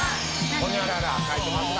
ホニャララ書いてますが。